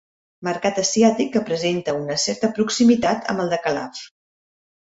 Mercat asiàtic que presenta una certa proximitat amb el de Calaf.